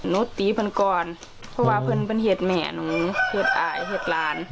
โน้ตเป็นเกินเพื่อว่าเพิ่งเป็นเส็ดแม่โน้อหัยเห็ดราน